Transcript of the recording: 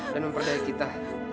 dan memperdaya kita